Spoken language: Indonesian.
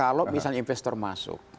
kalau misalnya investor masuk